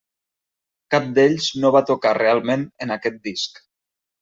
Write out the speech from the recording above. Cap d'ells no va tocar realment en aquest disc.